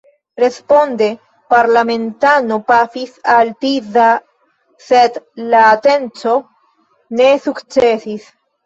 Responde parlamentano pafis al Tisza, sed la atenco ne sukcesis.